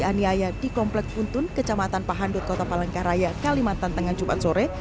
aniaya di kompleks untun kecamatan pahandut kota palengkaraya kalimantan tengah jumat sore